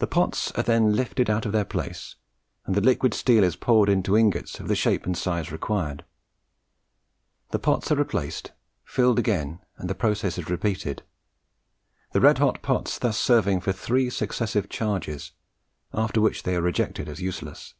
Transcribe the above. The pots are then lifted out of their place, and the liquid steel is poured into ingots of the shape and size required. The pots are replaced, filled again, and the process is repeated; the red hot pots thus serving for three successive charges, after which they are rejected as useless.